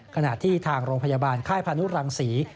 ขณะที่ทางโรงพยาบาลค่ายพานุรังศรี